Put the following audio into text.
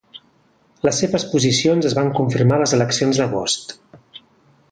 Les seves posicions es van confirmar a les eleccions d'agost.